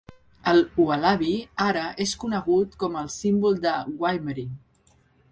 El ualabi ara és conegut com el símbol de Waimate.